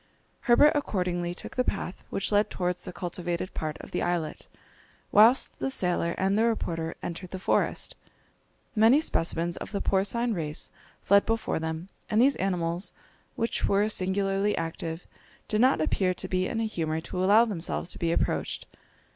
Herbert accordingly took the path which led towards the cultivated part of the islet, whilst the sailor and the reporter entered the forest. Many specimens of the porcine race fled before them, and these animals, which were singularly active, did not appear to be in a humour to allow themselves to be approached.